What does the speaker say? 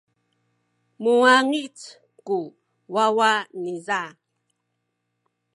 muwangic ku wawa niza.